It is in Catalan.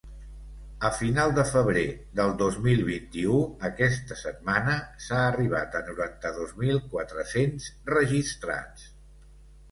A final de febrer del dos mil vint-i-u, aquesta setmana, s’ha arribat a noranta-dos mil quatre-cents registrats.